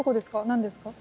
何ですか？